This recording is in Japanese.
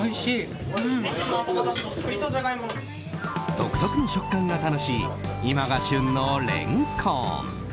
独特の食感が楽しい今が旬のレンコン。